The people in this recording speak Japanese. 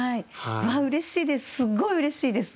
うれしいですすっごいうれしいです。